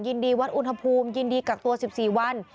ยินดีวัดอุณหภูมิยินดีกักตัว๑๔วัน